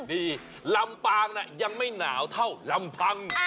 นี่ลำปางน่ะยังไม่หนาวเท่าลำพัง